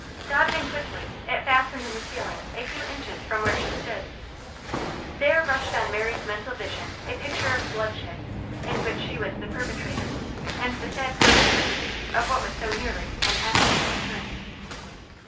Dodging quickly, it fastened in the ceiling a few inches from where she stood. There rushed on Mary's mental vision a picture of bloodshed, in which she was the perpetrator, and the sad consequences of what was so nearly an actual occurrence.